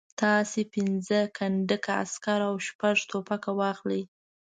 تاسو پنځه کنډکه عسکر او شپږ توپونه واخلئ.